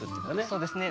そうですね。